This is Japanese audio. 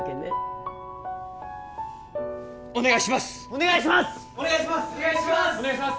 お願いしま